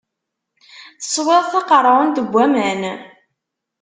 Teswiḍ taqeṛɛunt n waman.